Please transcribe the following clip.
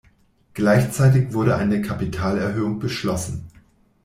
Gleichzeitig wurde eine Kapitalerhöhung beschlossen.